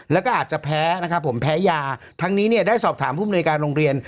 แล้วก็อาจจะแพ้นะครับผมแพ้ยาทั้งนี้เนี่ยได้สอบถามผู้มนุยการโรงเรียน